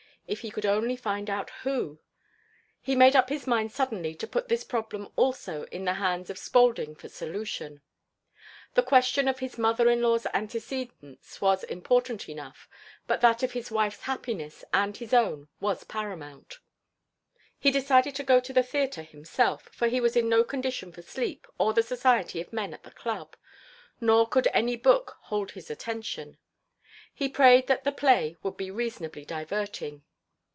If he could only find out who! He made up his mind suddenly to put this problem also in the hands of Spaulding for solution. The question of his mother in law's antecedents was important enough, but that of his wife's happiness and his own was paramount. He decided to go to the theater himself, for he was in no condition for sleep or the society of men at the club, nor could any book hold his attention. He prayed that the play would be reasonably diverting.